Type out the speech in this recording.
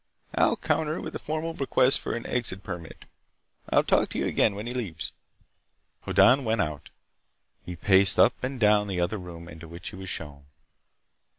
I'll counter with a formal request for an exit permit. I'll talk to you again when he leaves." Hoddan went out. He paced up and down the other room into which he was shown.